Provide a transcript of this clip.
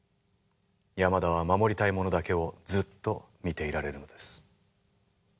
山田は守りたいものだけをずっと見ていられるのです。